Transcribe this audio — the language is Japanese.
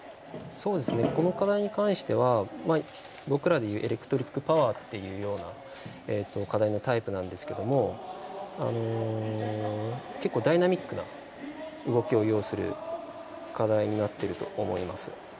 この課題に関しては僕らでいうエリクトリックパワーっていうような課題のタイプなんですけど結構、ダイナミックな動きを要する課題になっていると思います。